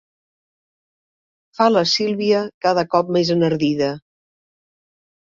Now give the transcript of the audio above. Fa la Sílvia, cada cop més enardida.